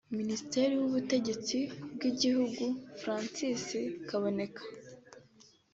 Minisitiri w’ubutegetsi bw’igihugu Francis Kaboneka